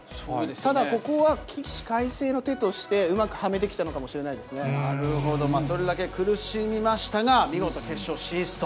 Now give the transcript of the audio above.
ただここは起死回生の手として、うまくはめてきたのかもしれないなるほど、それだけ苦しみましたが、見事決勝進出と。